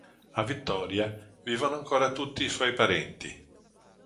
A Vittoria vivono ancora tutti i suoi parenti.